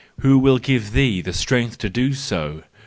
Who will give thee the strength to do so?